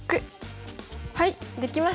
はいできました！